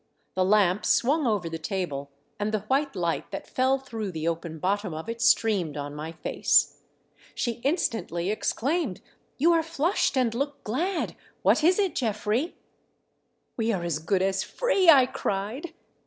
The lamp swung over the table and the white light that fell through the open bottom of it streamed on my face. She instantly exclaimed: "You are flushed and look glad ! What is it, Geoffrey .'"" We are as good as free !" I cried.